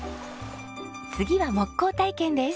次は木工体験です。